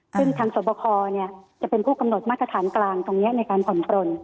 ซึ่งทางสวบคจะเป็นผู้กำหนดมาตรฐานกลางตรงนี้ในการผ่อนปลน